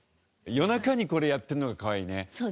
夜中にこれやってるのがかわいいね。